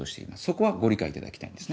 そこはご理解いただきたいんですね。